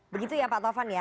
begitu ya pak taufan ya